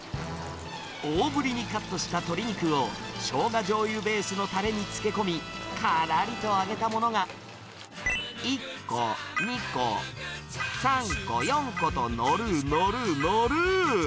大ぶりにカットした鶏肉を、ショウガじょうゆベースのたれに漬け込み、からりと揚げたものが、１個、２個、３個、４個と載る載る載る！